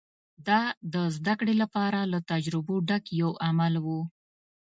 دا د زدهکړې لپاره له تجربو ډک یو عمل و